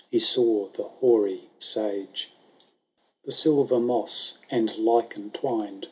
He saw the hoary Sage : The silver moss and lichen twined.